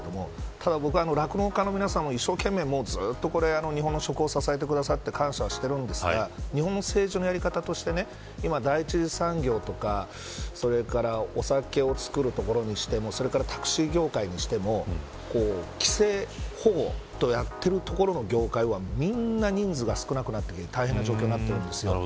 ただ、僕は酪農家の皆さんも一生懸命日本の食を支えてくださって感謝していますが日本の政治のやり方として第１次産業とかお酒を造るところにしてもタクシー業界にしても規制などやっている業界はみんな人数が少なくなって大変な状況です。